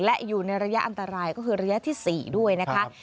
และอยู่ในระยะอันตรายก็คือระยะที่๔ด้วยนะคะ